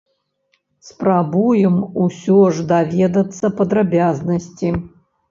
Спрабуем усё ж даведацца падрабязнасці.